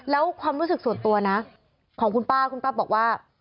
แล้วความรู้สึกส่วนตัวนะของคุณป้าคุณป้าบอกว่า